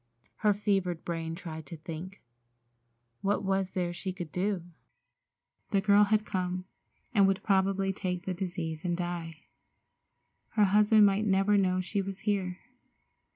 Her fevered brain tried to think. What was there she could do? The girl had come, and would probably take the disease and die. Her husband might never know she was here.